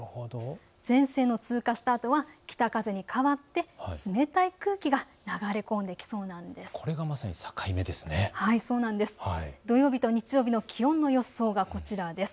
前線が通過したあとは北風に変わって冷たい空気が流れ込んできそうなんです。